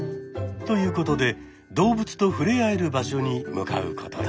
ということで動物と触れ合える場所に向かうことに。